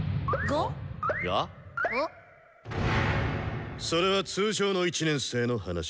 ゴ？それは通常の１年生の話だ。